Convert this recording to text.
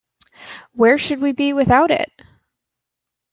Where should we be without it?